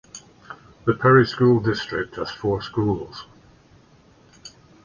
The Perry school district has four schools.